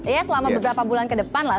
iya selama beberapa bulan ke depan lah